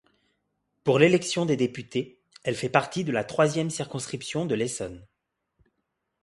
Pour l'élection des députés, elle fait partie de la troisième circonscription de l'Essonne.